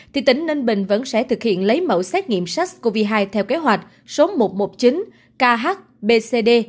thì tỉnh ninh bình vẫn sẽ thực hiện lấy mẫu xét nghiệm sars cov hai theo kế hoạch số một trăm một mươi chín khbcd